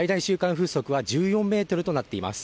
風速は１４メートルとなっています。